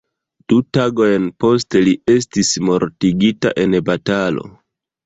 Du tagojn poste li estis mortigita en batalo.